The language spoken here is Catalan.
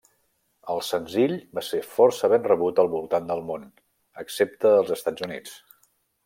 El senzill va ser força ben rebut al voltant del món, excepte als Estats Units.